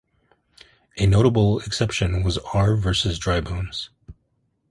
A notable exception was "R. versus Drybones".